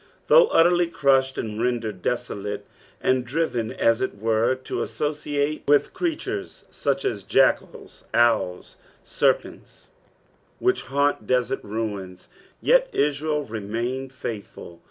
Though utterly crushed and rendered desolate and driren as it were to associate with creatures Buch as jackals, owls, serpents, which haunt deserted ruins, yet Israel remained faithful.